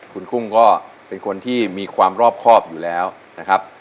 คุณกุ้งก็เป็นคนที่มีความรอบครอบอยู่แล้วนะครับ